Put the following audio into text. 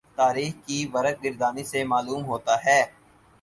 تاریخ کی ورق گردانی سے معلوم ہوتا ہے